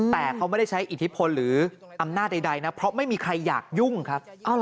แต่เขาไม่ได้ใช้อิทธิพลหรืออำนาจใดนะเพราะไม่มีใครอยากยุ่งครับ